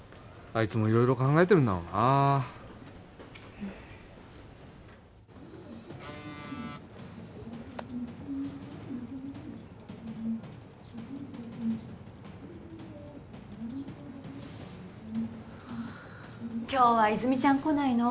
いつも色々考えてるんだろうな今日は泉ちゃん来ないの？